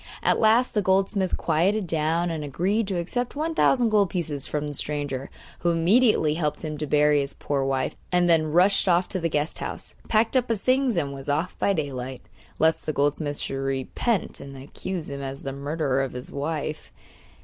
At last the goldsmith quieted down, and agreed to accept one thousand gold pieces from the stranger, who immediately helped him to bury his poor wife, and then rushed off to the guest house, packed up his things and was off by daylight, lest the goldsmith should repent and accuse him as the murderer of his wife.